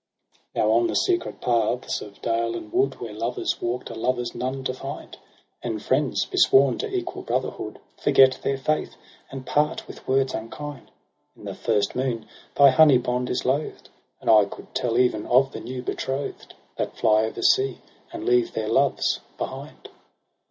II * Now on the secret paths of dale and wood. Where lovers walk'd are lovers none to find : And friends, besworn to equal brotherhood. Forget their faith, and part with words unkind : In the first moon thy honey bond is loath'd : And I could tell even of the new betroth'd That fly o'ersea, and leave their loves behind.